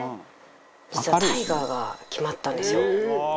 実は大河が決まったんですよ。